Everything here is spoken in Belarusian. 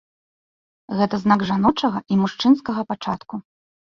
Гэта знак жаночага і мужчынскага пачатку.